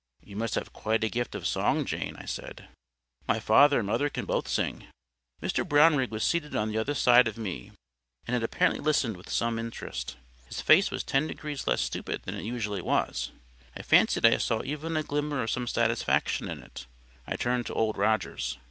"You must have quite a gift of song, Jane!" I said. "My father and mother can both sing." Mr Brownrigg was seated on the other side of me, and had apparently listened with some interest. His face was ten degrees less stupid than it usually was. I fancied I saw even a glimmer of some satisfaction in it. I turned to Old Rogers.